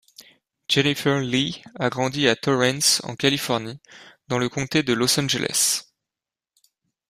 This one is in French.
Jennifer Lee a grandi à Torrance en Californie, dans le comté de Los Angeles.